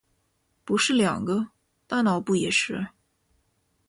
不是两个？大脑不也是？